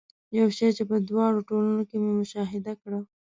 یو شی چې په دواړو ټولنو کې مې مشاهده کړ.